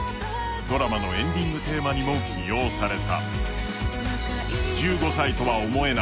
ドラマのエンディングテーマにも起用された。